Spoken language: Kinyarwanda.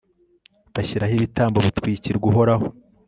bashyiraho ibitambo bitwikirwa uhoraho